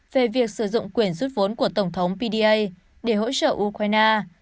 về việc sử dụng quyền rút vốn của tổng thống pda để hỗ trợ ukraine